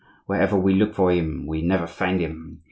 Wherever we look for him we never find him!